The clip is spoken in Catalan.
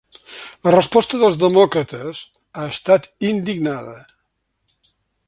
La resposta dels demòcrates ha estat indignada.